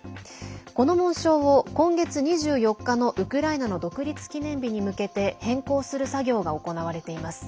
この紋章を今月２４日のウクライナの独立記念日に向けて変更する作業が行われています。